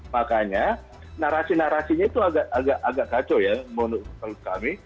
makanya narasi narasinya itu agak kacau ya menurut kami